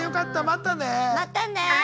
またね！